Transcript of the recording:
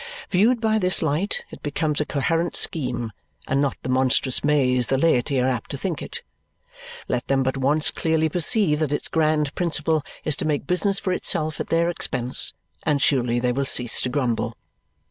Viewed by this light it becomes a coherent scheme and not the monstrous maze the laity are apt to think it. Let them but once clearly perceive that its grand principle is to make business for itself at their expense, and surely they will cease to grumble.